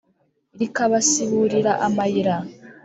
Rikabasiburira amayira ?